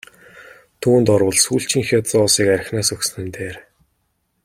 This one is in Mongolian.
Түүнд орвол сүүлчийнхээ зоосыг архинаас өгсөн нь дээр!